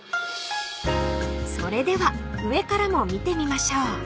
［それでは上からも見てみましょう］